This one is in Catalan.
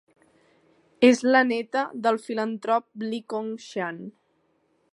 És la neta del filantrop Lee Kong Chian.